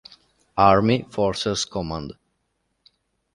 Army Forces Command.